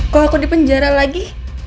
kalau aku di penjara lagi